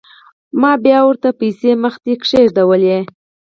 ما بيا ورته پيسې مخې ته کښېښووې.